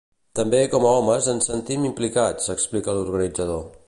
També com a homes ens sentim implicats, explica l'organitzador.